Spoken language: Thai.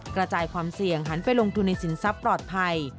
กระจายความเสี่ยงหันไปลงทุนในสินทรัพย์ปลอดภัย